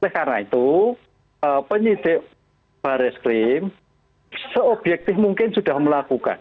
karena itu penyidik baris krim seobjektif mungkin sudah melakukan